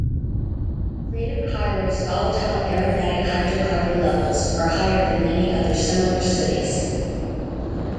Greater Cairo's volatile aromatic hydrocarbon levels are higher than many other similar cities.